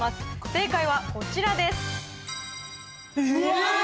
正解はこちらです・うわ！